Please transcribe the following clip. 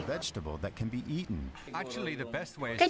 cách tốt nhất là kiểm soát khẩu phần thức ăn